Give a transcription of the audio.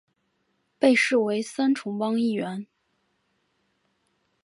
被视为三重帮一员。